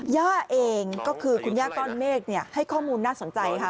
ย่าเองก็คือคุณย่าก้อนเมฆให้ข้อมูลน่าสนใจค่ะ